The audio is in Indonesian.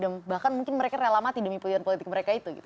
dan bahkan mungkin mereka rela mati demi pilihan politik mereka itu